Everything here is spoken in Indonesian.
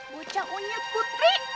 bocah onyek putri